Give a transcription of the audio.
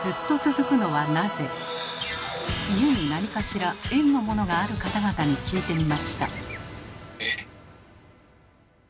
家に何かしら円のものがある方々に聞いてみました。